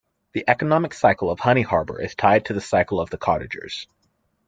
The economic cycle of Honey Harbour is tied to the cycle of the cottagers.